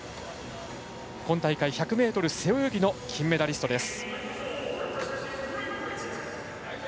今大会１００ｍ背泳ぎの金メダリストです。